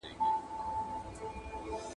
انا په دعا کې د ټولې نړۍ لپاره خیر وغوښت.